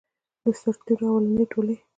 د سرتیرو اولنی ټولۍ.